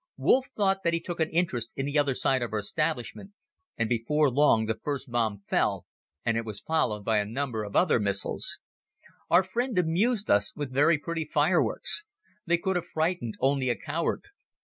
Wolff thought that he took an interest in the other side of our establishment and before long the first bomb fell and it was followed by a number of other missiles. Our friend amused us with very pretty fireworks. They could have frightened only a coward.